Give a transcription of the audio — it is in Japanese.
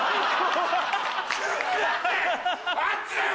あっちだよ